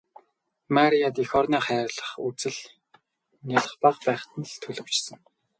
Марияд эх орноо хайрлах үзэл нялх бага байхад нь л төлөвшсөн.